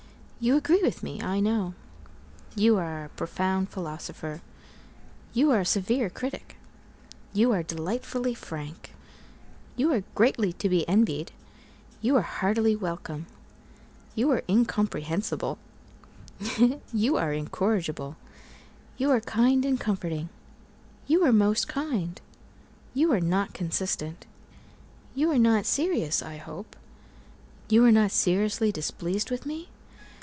You agree with me, I know You are a profound philosopher You are a severe critic You are delightfully frank You are greatly to be envied You are heartily welcome You are incomprehensible You are incorrigible You are kind and comforting You are most kind You are not consistent You are not serious, I hope You are not seriously displeased with me?